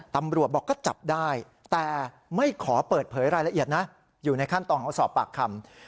ตำรวจบอกก็จับได้แต่ไม่ขอเปิดเผยรายละเอียดนะอยู่ในขั้นตอนของสอบปากคำ